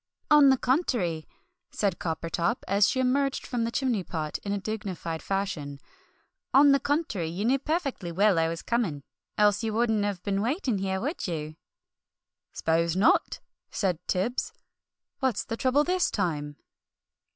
"On the contery," said Coppertop, as she emerged from the chimney pot in a dignified fashion, "on the contery, you knew perfectly well I was coming, else you wouldn't have been waiting here, would you?" "'Spose not!" said Tibbs. "What's the trouble this time?"